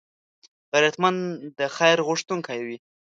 غیرتمند د خیر غوښتونکی وي